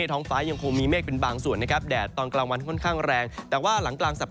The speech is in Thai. ท้องฟ้ายังคงมีเมฆเป็นบางส่วนนะครับ